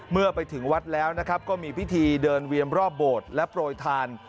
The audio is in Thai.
เมื่อไปถึงวัดแล้วก็มีพิธีเดินเวียบรอบโบทและโปรดทาน